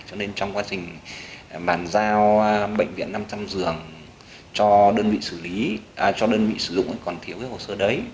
cho nên trong quá trình bàn giao bệnh viện năm trăm linh giường cho đơn vị sử dụng còn thiếu hồ sơ đấy